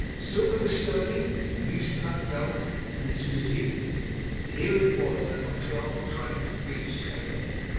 Still they were sturdy and used to that veld and its diseases. Here it was that my twelve trained beasts came in.